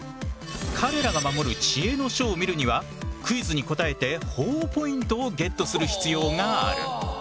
彼らが守る知恵の書を見るにはクイズに答えてほぉポイントをゲットする必要がある。